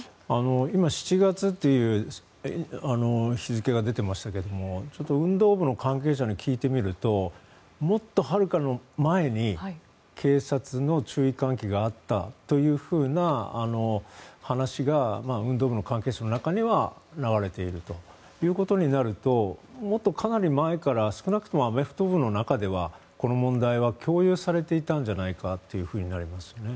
今、７月という日付が出ていましたがちょっと運動部の関係者に聞いてみるともっと、はるか前に警察の注意喚起があったというふうな話が運動部の関係者の中には流れているということになるともっとかなり前から少なくともアメフト部の中ではこの問題は共有されていたんじゃないかとなりますね。